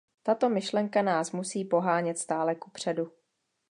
Tato myšlenka nás musí pohánět stále kupředu.